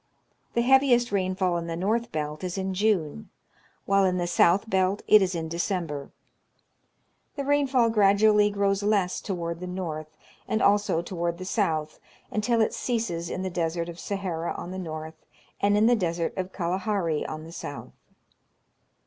The heaviest rainfall in the north belt is in June, while in the south belt it is in December. The rainfall gradually grows less toward the north, and also toward the south, until it ceases in the Desert of Sahara on the north, and in 104 National Geographic Magazine. the Desert of Kalahai i on the south.